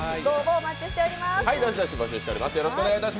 お待ちしております。